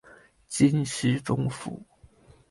金熙宗父。